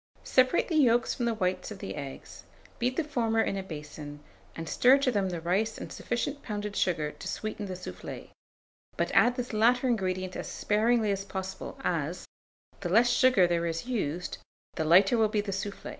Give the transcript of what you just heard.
Separate the yolks from the whites of the eggs, beat the former in a basin, and stir to them the rice and sufficient pounded sugar to sweeten the soufflé; but add this latter ingredient as sparingly as possible, as, the less sugar there is used, the lighter will be the soufflé.